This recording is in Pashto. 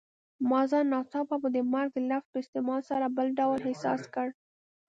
ما ځان ناڅاپه د مرګ د لفظ په استعمال سره بل ډول احساس کړ.